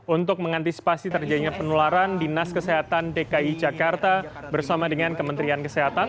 untuk mengantisipasi terjadinya penularan dinas kesehatan dki jakarta bersama dengan kementerian kesehatan